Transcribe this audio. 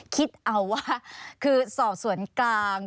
คิดเอาว่าคือสอบสวนกลาง